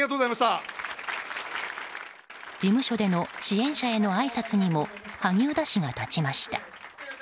事務所での支援者へのあいさつにも萩生田氏が立ちました。